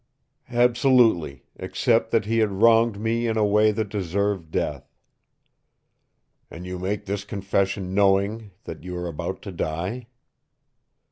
"Absolutely except that he had wronged me in a way that deserved death." "And you make this confession knowing that you are about to die?"